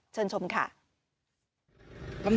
เชิญชมค่ะ